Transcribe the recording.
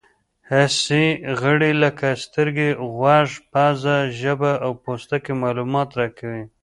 حسي غړي لکه سترګې، غوږ، پزه، ژبه او پوستکی معلومات راکوي.